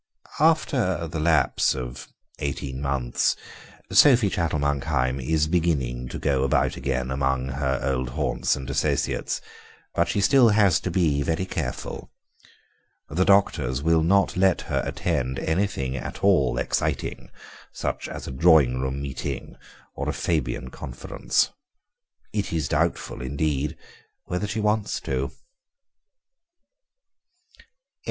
After the lapse of eighteen months Sophie Chattel Monkheim is beginning to go about again among her old haunts and associates, but she still has to be very careful. The doctors will not let her attend anything at all exciting, such as a drawing room meeting or a Fabian conference; it is doubtful, indeed, whether she wants to.